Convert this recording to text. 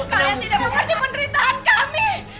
kalian tidak mengerti penderitaan kami